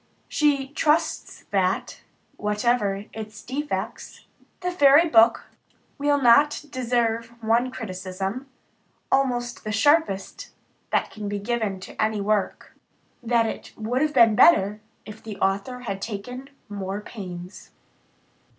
She trusts that, whatever its defects, the Fairy Book will not deserve one criticism, almost the sharpest that can be given to any work "that it would have been better if the author had taken more pains."